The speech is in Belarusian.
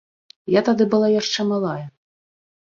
Я тады была яшчэ малая.